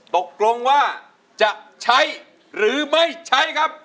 ตกลงว่าจะใช้หรือไม่ใช้ครับ